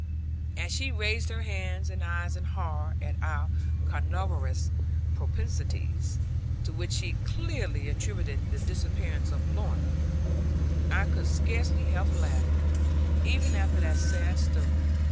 As she raised her hands and eyes in horror at our carnivorous propensities, to which she clearly attributed the disappearance of Lorna, I could scarce help laughing, even after that sad story.